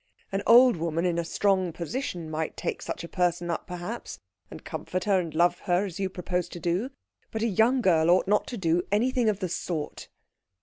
An old woman in a strong position might take such a person up, perhaps, and comfort her and love her as you propose to do, but a young girl ought not to do anything of the sort."